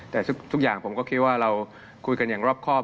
แต่ทุกอย่างผมก็คิดว่าเราคุยกันอย่างรอบครอบ